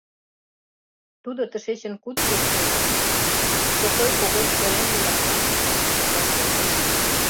«Тудо тышечын куд сурт гоч, Чокой Когось пелен ила», — манын, мыйым туныктен колтышт.